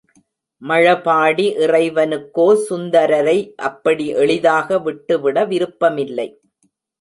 மழபாடி இறைவனுக்கோ சுந்தரரை அப்படி எளிதாக விட்டுவிட விருப்பமில்லை.